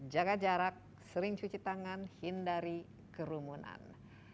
jaga jarak sering cuci tangan hindari kerumunan